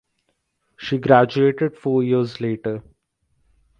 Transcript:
She graduated four years later.